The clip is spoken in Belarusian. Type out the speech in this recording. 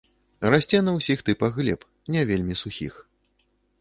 Расце на ўсіх тыпах глеб, не вельмі сухіх.